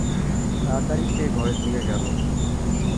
তাড়া তাড়ি সেই ঘরের দিকে গেল।